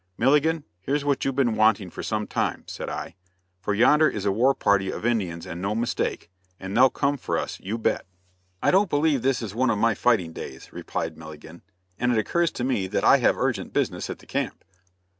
"Milligan, here's what you've been wanting for some time," said I, "for yonder is a war party of Indians and no mistake; and they'll come for us, you bet." "I don't believe this is one of my fighting days," replied Milligan, "and it occurs to me that I have urgent business at the camp."